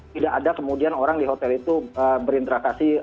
tidak ada kemudian orang di hotel itu berinteraksi